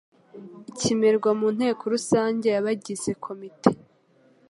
ikemerwa mu nteko rusange yabagize komite